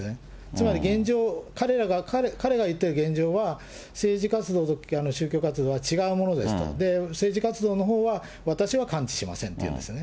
つまり、彼らが言った現状は政治活動と宗教活動は、違うものですと、政治活動のほうは私は関知しませんというんですよね。